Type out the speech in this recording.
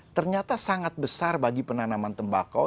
ternyata sangat besar bagi penanaman tembakau